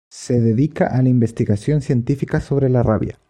Se dedica a la investigación científica sobre la rabia.